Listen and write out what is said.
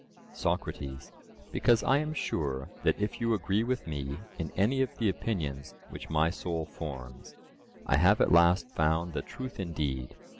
SOCRATES: Because I am sure that if you agree with me in any of the opinions which my soul forms, I have at last found the truth indeed.